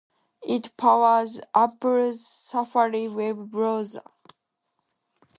It powers Apple's Safari web browser.